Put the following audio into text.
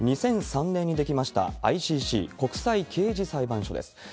２００３年に出来ましたＩＣＣ・国際刑事裁判所です。